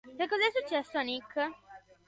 Che cosa è successo a Nick?